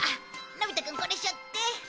のび太くんこれ背負って。